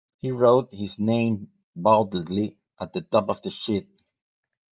He wrote his name boldly at the top of the sheet.